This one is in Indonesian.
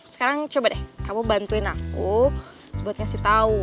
sekarang coba deh kamu bantuin aku buat ngasih tahu